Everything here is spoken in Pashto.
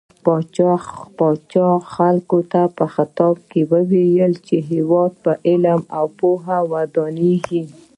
پاچا خلکو ته په خطاب کې وويل چې هيواد په علم او پوهه ودانيږي .